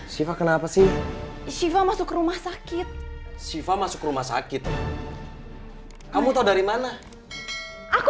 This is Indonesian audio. siva kenapa sih shiva masuk ke rumah sakit siva masuk ke rumah sakit kamu tahu dari mana aku